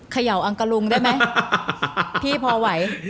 เขย่าอังกะลุงได้ไหมพี่พอไหว